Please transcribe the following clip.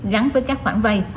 gắn với các khoản vay